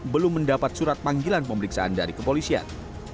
belum mendapat surat panggilan pemeriksaan dari kepolisian